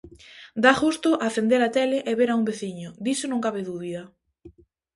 Dá gusto acender a tele e ver a un veciño, diso non cabe dúbida.